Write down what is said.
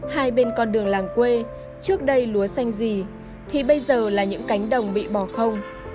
hai bên con đường làng quê trước đây lúa xanh gì thì bây giờ là những cánh đồng bị bỏ không